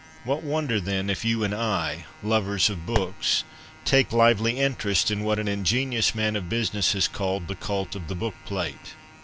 VTiat wonder, then, if you and I — lovers of books — take lively interest in what an ingenuous man of business has called ' The Cult of the Bookplate.'